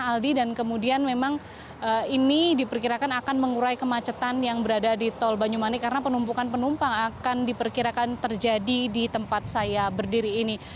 karena aldi dan kemudian memang ini diperkirakan akan mengurai kemacetan yang berada di tol banyumanik karena penumpukan penumpang akan diperkirakan terjadi di tempat saya berdiri ini